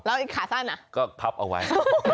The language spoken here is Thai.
แล้วขาสั้นน่ะก็พับเอาไว้